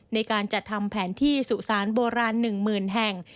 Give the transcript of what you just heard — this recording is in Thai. ในการจัดทำแผนที่สุสานโบราณ๑๐๐๐แห่ง